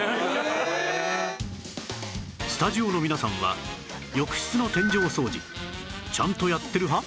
スタジオの皆さんは浴室の天井掃除ちゃんとやってる派？